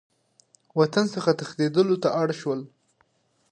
وطن څخه تښتېدلو ته مجبور شول.